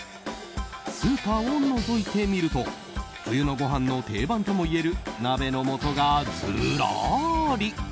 スーパーをのぞいてみると冬のごはんの定番ともいえる鍋の素がずらーり。